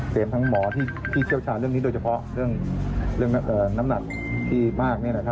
เตรียมทั้งหมอที่เชี่ยวชาญเรื่องนี้โดยเฉพาะเรื่องน้ำหนักที่มากนี่นะครับ